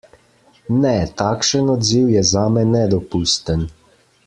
Ne, takšen odziv je zame nedopusten.